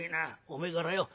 おめえからよ